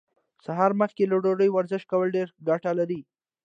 سهار مخکې له ډوډۍ ورزش کول ډيره ګټه لري.